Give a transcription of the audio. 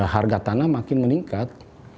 harga tanah makin meningkat